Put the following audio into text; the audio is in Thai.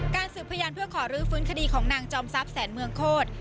สืบพยานเพื่อขอรื้อฟื้นคดีของนางจอมทรัพย์แสนเมืองโคตร